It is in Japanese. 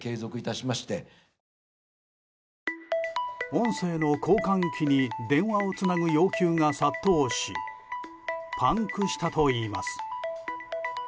音声の交換機に電話をつなぐ要求が殺到しパンクしたといいます。